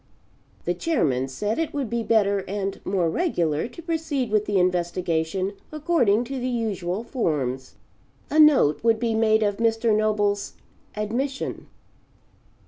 The Chairman said it would be better and more regular to proceed with the investigation according to the usual forms. A note would be made of Mr. Noble's admission.